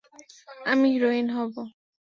আমি হিরোইন হবো।